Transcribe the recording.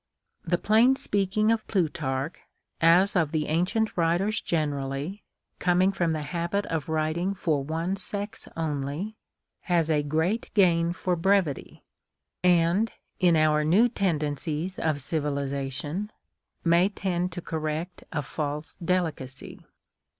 The plain speaking of Plutarch, as of the ancient writers gen erally, coming from tlie habit of writing for one sex only, lias a great gain for brevity, and, in our new tendencies of civilization, may tend to correct a false delicacy.